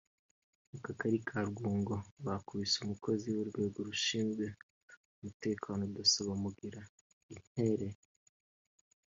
mu kagari ka Rwungo bakubise umukozi w’urwego rushinzwe umutekano (Dasso) bamugira intere